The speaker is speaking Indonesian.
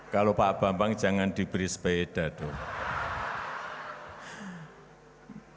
kalau pak bambang jangan diberi sepeda dulu